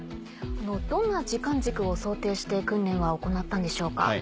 どんな時間軸を想定して訓練は行ったのでしょうか？